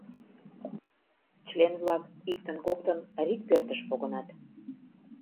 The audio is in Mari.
Член-влак иктын-коктын рик пӧртыш погынат.